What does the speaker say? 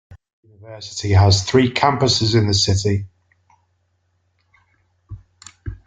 The university has three campuses in the city.